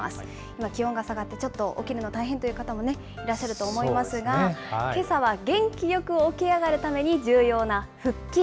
今、気温が下がって、ちょっと起きるの大変という方もいらっしゃると思いますが、けさは元気よく起き上がるために、重要な腹筋。